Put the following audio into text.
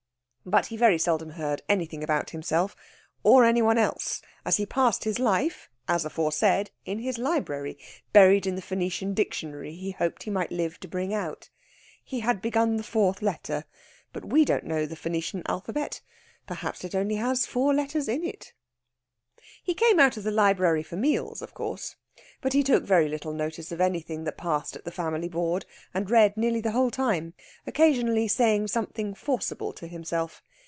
But he very seldom heard anything about himself, or any one else; as he passed his life, as aforesaid, in his library, buried in the Phoenician Dictionary he hoped he might live to bring out. He had begun the fourth letter; but we don't know the Phoenician alphabet. Perhaps it has only four letters in it. He came out of the library for meals, of course. But he took very little notice of anything that passed at the family board, and read nearly the whole time, occasionally saying something forcible to himself.